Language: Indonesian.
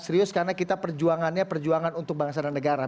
serius karena kita perjuangannya perjuangan untuk bangsa dan negara